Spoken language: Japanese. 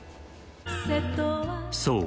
［そう！